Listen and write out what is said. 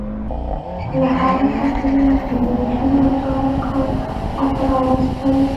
له هغوی څخه یې دوې نجوني او دوه هلکان ماته راواستول.